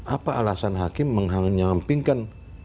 apa alasan hakim menyampingkan